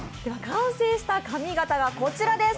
完成した髪形がこちらです。